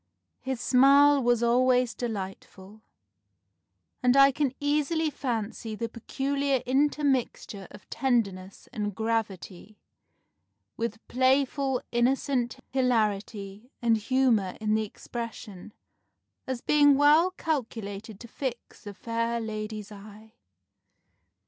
His smile was always delightful; and I can easily fancy the peculiar intermixture of tenderness and gravity, with playful innocent hilarity and humour in the expression, as being well calculated to fix a fair lady's eye.